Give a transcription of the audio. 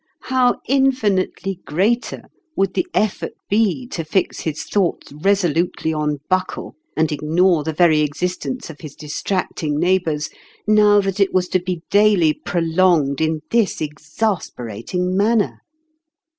How infinitely greater would the effort be to fix his thoughts resolutely on Buckle, and ignore the very existence of his distracting neighbors, now that it was to be daily prolonged in this exasperating manner